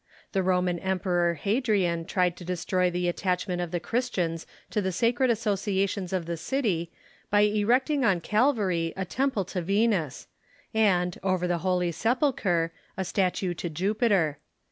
The Roman emperor Hadrian tried to destroy the attachment of the Christians to the sacred associations of the city by erecting on Calvary a temple to Venus, and, over the Holy Sepulchre, a statue to Jupiter.